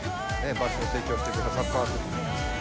場所を提供してくれたサッカー部。